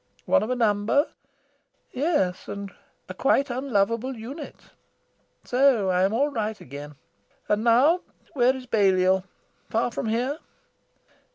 One of a number? Yes, and a quite unlovable unit. So I am all right again. And now, where is Balliol? Far from here?"